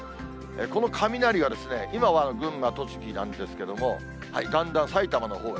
この雷が今は群馬、栃木なんですけれども、だんだん埼玉のほうへ。